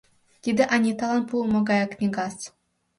— Тиде Аниталан пуымо гаяк книгас...